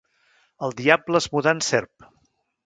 El diable es mudà en serp.